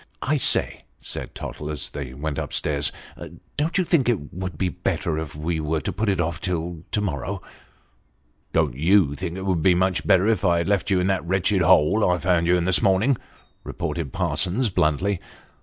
" I say," said Tottle, as they went up stairs, " don't you think it would be better if wo put it off till till to morrow 'f "" Don't you think it would have been much better if I had left you in that wretched hole I found you in this morning ?" retorted Parsons bluntly.